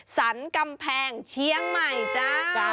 สรรกำแพงเชียงใหม่จ้า